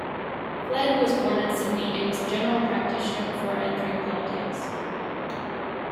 Flegg was born in Sydney and was a general practitioner before entering politics.